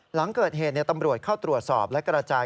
หลังเกิดเหตุตำรวจเข้าตรวจสอบและกระจาย